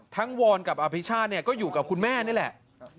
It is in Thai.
ทั้งไวน์กับอัพิชาก็อยู่กับคุณแม่นี่แหละ